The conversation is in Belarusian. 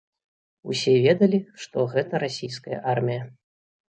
Усе ведалі, што гэта расійская армія.